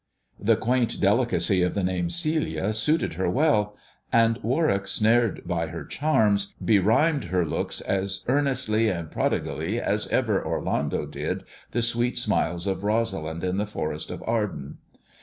The quaint delicacy of the name "Celia'* suited her well ; and Warwick, snared by her charms, be rhymed her looks as earnestly and prodigally as ever Orlando did the sweet smiles of Rosalind in the Forest of A^rden.